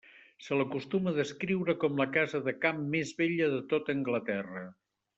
Se l'acostuma a descriure com la casa de camp més bella de tota Anglaterra.